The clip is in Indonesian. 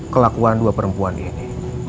kelakuan dua perempuan ini